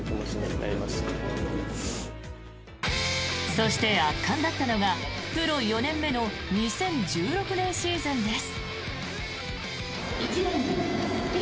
そして、圧巻だったのがプロ４年目の２０１６年シーズンです。